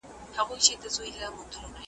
لا یې لمر پر اسمان نه دی راختلی ,